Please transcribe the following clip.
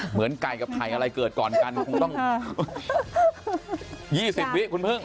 เหมือนไก่กับไข่อะไรเกิดก่อนกันคงต้อง๒๐วิคุณพึ่ง